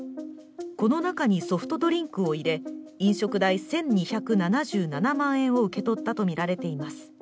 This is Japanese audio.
この中にソフトドリンクを入れ飲食代１２７７万円を受け取ったとみられています。